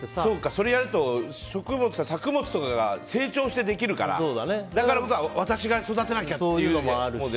それをやると作物とかが成長してできるから私が育てなきゃっていうのもあるし。